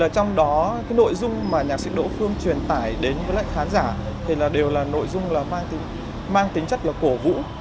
trong đó nội dung mà nhạc sĩ đỗ phương truyền tải đến các khán giả đều là nội dung mang tính chất cổ vũ